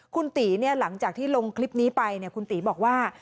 คุณตีหลังจากที่ลงคลิปนี้ไปคุณตีบอกว่า